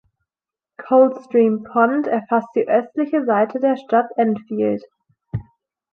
Cold Stream Pond erfasst die östliche Seite der Stadt Enfield.